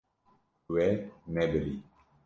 We nebirî.